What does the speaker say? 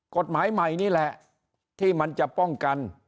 กฎหมายใหม่นี่แหละที่มันจะป้องกัน